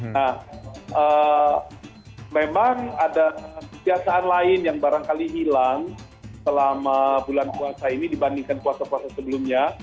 nah memang ada kebiasaan lain yang barangkali hilang selama bulan puasa ini dibandingkan puasa puasa sebelumnya